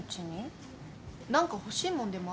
何か欲しいもんでもあんの？